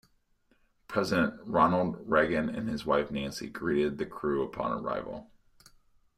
President Ronald Reagan and his wife Nancy greeted the crew upon arrival.